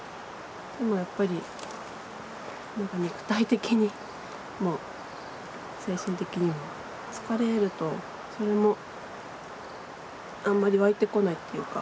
でもやっぱり肉体的にも精神的にも疲れるとそれもあんまり湧いてこないっていうか。